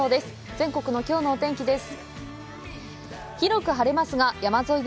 全国のきょうのお天気です。